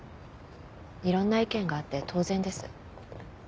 いろんな意見があって当然です。